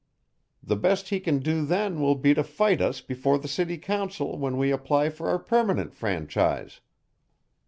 The best he can do then will be to fight us before the city council when we apply for our permanent franchise.